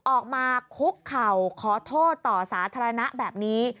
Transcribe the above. ออกมาคุกเข่าขอโทษต่อสาธารณะแบบนี้